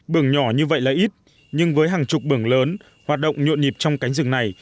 bường nhỏ như vậy là ít nhưng với hàng chục bường lớn hoạt động nhộn nhịp trong cánh rừng này